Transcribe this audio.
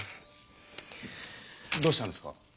どうしたんですか？